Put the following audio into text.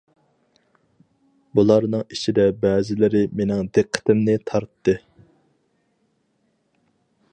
بۇلارنىڭ ئىچىدە بەزىلىرى مېنىڭ دىققىتىمنى تارتتى.